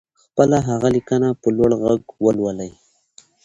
خپله هغه ليکنه په لوړ غږ ولولئ.